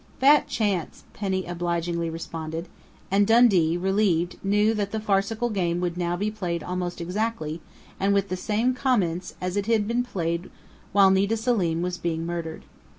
"Fat chance!" Penny obligingly responded, and Dundee, relieved, knew that the farcical game would now be played almost exactly, and with the same comments, as it had been played while Nita Selim was being murdered.